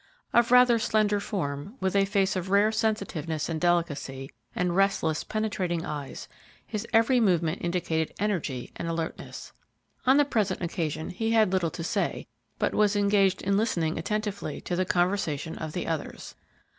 Of rather slender form, with a face of rare sensitiveness and delicacy, and restless, penetrating eyes, his every movement indicated energy and alertness. On the present occasion he had little to say, but was engaged in listening attentively to the conversation of the others.